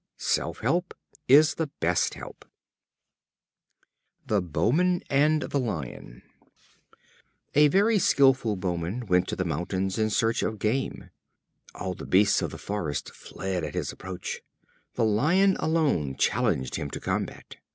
Self help is the best help. The Bowman and the Lion. A very skillful Bowman went to the mountains in search of game. All the beasts of the forest fled at his approach. The Lion alone challenged him to combat.